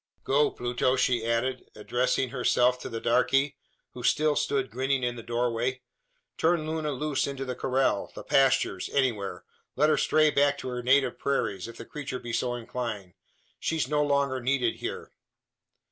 Go, Pluto!" she added, addressing herself to the darkey, who still stood grinning in the doorway, "turn Luna loose into the corral the pastures anywhere. Let her stray back to her native prairies, if the creature be so inclined; she's no longer needed here."